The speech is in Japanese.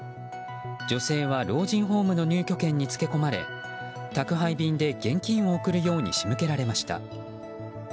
女性は老人ホームの入居権に付け込まれ宅配便で現金を送るように仕向けられました。